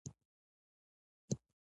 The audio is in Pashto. ماته به ئې وې ـ